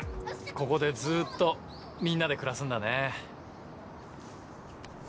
ここでずっとみんなで暮らすんだね。